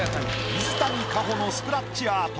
水谷果穂のスクラッチアート